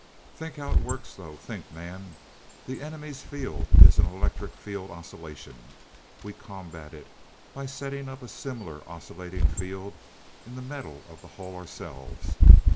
"Think how it works though. Think, man. The enemy's field is an electric field oscillation. We combat it by setting up a similar oscillating field in the metal of the hull ourselves.